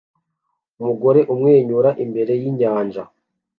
Umugore amwenyura imbere yinyanja